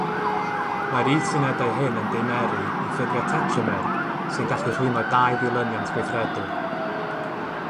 Mae'r is-unedau hyn yn deumeru i ffurfio tetramer sy'n gallu rhwymo dau ddilyniant gweithredwr.